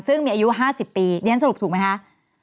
ซึ่งมีอายุ๕๐ปีเรียนสรุปถูกไหมคะ